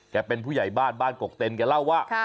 เป็นผู้ใหญ่บ้านบ้านกกเต็นแกเล่าว่า